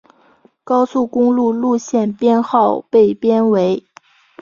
高速公路路线编号被编为。